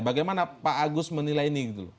bagaimana pak agus menilai ini gitu loh